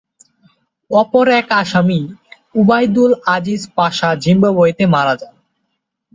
অপর এক আসামি, আবদুল আজিজ পাশা জিম্বাবুয়েতে মারা যান।